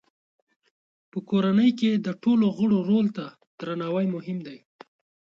په کورنۍ کې د ټولو غړو رول ته درناوی مهم دی.